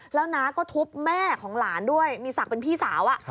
แล้วน้าก็ทุบแม่ของหลานด้วยมีศักดิ์เป็นพี่สาว